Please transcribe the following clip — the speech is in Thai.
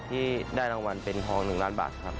ที่ได้รางวัลเป็นทอง๑ล้านบาทครับ